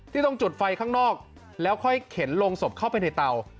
ต้องจุดไฟข้างนอกแล้วค่อยเข็นลงศพเข้าไปในเตา